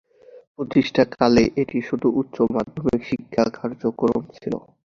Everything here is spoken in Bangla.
প্রতিষ্ঠাকালে এটি শুধু উচ্চ মাধ্যমিক শিক্ষা কার্যক্রম ছিল।